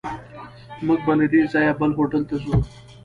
موږ به له دې ځایه بل هوټل ته ځو.